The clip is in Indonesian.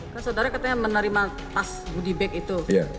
kan saudara katanya menerima tas budibek itu